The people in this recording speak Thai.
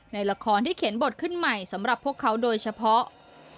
ในละครที่เขียนบทขึ้นใหม่สำหรับพวกเขาโดยเฉพาะ